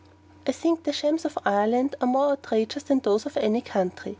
I think the shams of Ireland are more outrageous than those of any country.